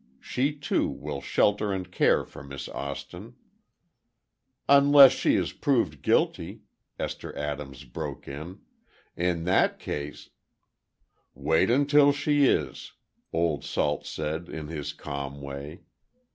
She too will shelter and care for Miss Austin—" "Unless she is proved guilty," Esther Adams broke in. "In that case—" "Wait until she is," Old Salt said, in his calm way.